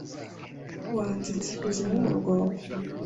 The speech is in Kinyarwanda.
wanzitse ikuzimu mu rwobo